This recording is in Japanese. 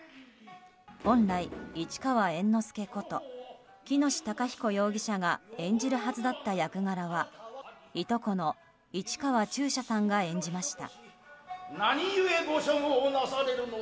本来、市川猿之助こと喜熨斗孝彦容疑者が演じるはずだった役柄はいとこの市川中車さんが演じました。